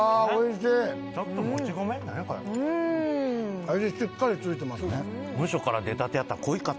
しっかりついてますね